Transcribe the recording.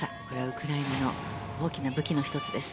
ウクライナの大きな武器の１つです。